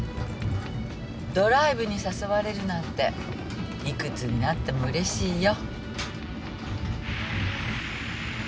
ドライブに誘われるなんて幾つになってもうれしいよ。